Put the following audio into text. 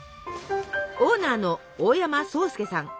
オーナーの大山颯介さん。